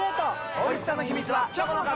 おいしさの秘密はチョコの壁！